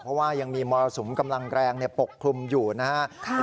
เพราะว่ายังมีมรสุมกำลังแรงปกคลุมอยู่นะครับ